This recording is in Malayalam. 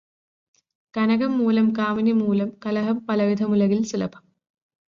കനകംമൂലം കാമിനിമൂലം കലഹം പലവിധമുലകിൽ സുലഭം.